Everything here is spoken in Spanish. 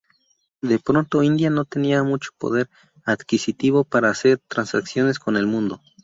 De pronto India no tenía mucho poder adquisitivo para hacer transacciones con el mundo.